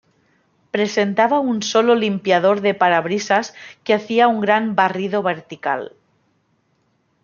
Presentaba un solo limpiador de parabrisas que hacía un gran barrido vertical.